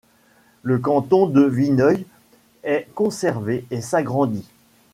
Le canton de Vineuil est conservé et s'agrandit.